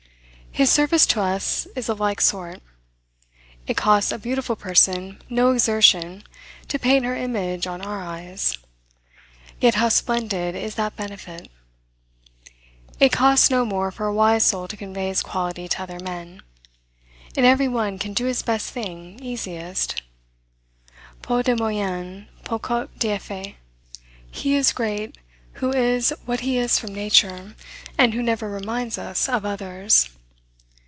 His service to us is of like sort. It costs a beautiful person no exertion to paint her image on our eyes; yet how splendid is that benefit! It costs no more for a wise soul to convey his quality to other men. And every one can do his best thing easiest "Peu de moyens, beaucoup d'effet." He is great who is what he is from nature, and who never reminds us of others.